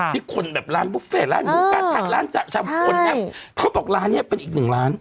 ที่คนแบบร้านบุฟเฟ่ร้านหมูการทำร้านชามคนเนี่ยเขาบอกร้านนี้เป็นอีกหนึ่งร้าน